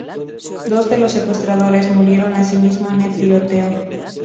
Dos de los secuestradores murieron asimismo en el tiroteo.